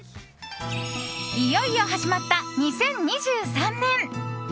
いよいよ始まった２０２３年！